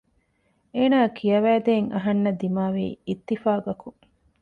އޭނާއަށް ކިޔަވާ ދޭން އަހަންނަށް ދިމާވީ އިއްތިފާގަކުން